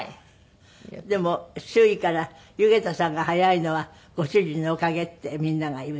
でも周囲から弓削田さんが速いのはご主人のおかげってみんなが言う。